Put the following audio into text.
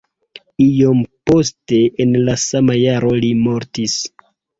Iom poste en la sama jaro li mortis.